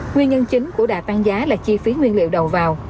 nguyên nhân chính của đà tăng giá là chi phí nguyên liệu đầu vào